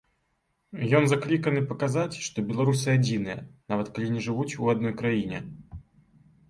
Ён закліканы паказаць, што беларусы адзіныя, нават калі не жывуць у адной краіне.